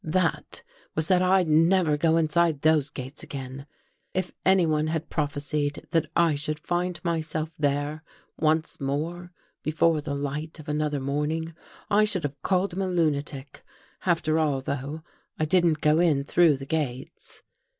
That was that I'd never go inside those gates again. If anyone had prophesied that I should find myself there once more before the light of another morning I should have called him a lunatic. After all, though, I didn't go in through the gates.